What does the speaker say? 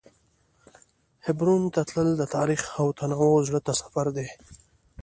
حبرون ته تلل د تاریخ او تنوع زړه ته سفر دی.